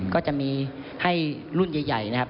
ก็จะมีให้รุ่นใหญ่นะครับ